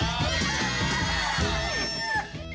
มันน่ารักข่าวมาก